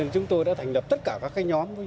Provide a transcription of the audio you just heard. chúng tôi đã thành lập tất cả các nhóm